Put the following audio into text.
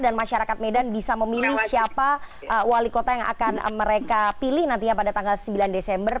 dan masyarakat medan bisa memilih siapa wali kota yang akan mereka pilih nantinya pada tanggal sembilan desember